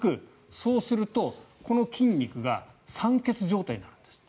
そうすると、この筋肉が酸欠状態になるんですって。